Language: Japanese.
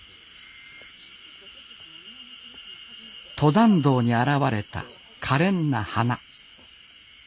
登山道に現れたかれんな花。